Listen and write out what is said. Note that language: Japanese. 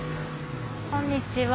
こんにちは。